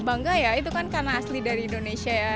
bangga ya itu kan karena asli dari indonesia ya